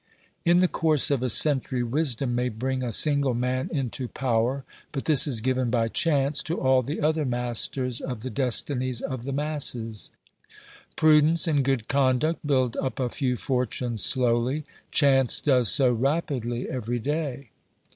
In the course of a century wisdom may bring a single man into power, but this is given by chance to all the other masters of the destinies of the masses. Prudence and good conduct build up a few fortunes slowly; chance does so rapidly every day.